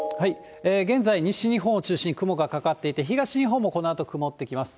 現在、西日本を中心に雲がかかっていて、東日本もこのあと曇ってきます。